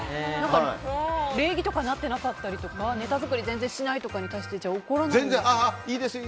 礼儀とかなってなかったりネタ作り全然しないとかに対して怒らないですか？